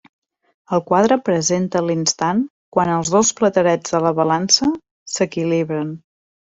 El quadre presenta l'instant quan els dos platerets de la balança s'equilibren.